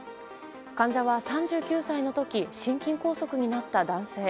患者は３９歳の時心筋梗塞になった男性。